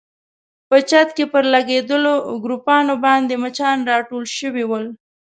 په چت کې پر لګېدلو ګروپانو باندې مچان راټول شوي ول.